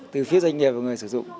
từ phía doanh nghiệp và người sử dụng